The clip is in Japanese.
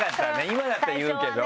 今だったら言うけど。